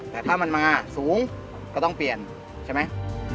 แต่ถ้ามันมาสูงก็ต้องเปลี่ยนใช่ไหม